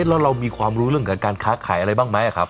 แล้วเรามีความรู้เรื่องของการค้าขายอะไรบ้างไหมครับ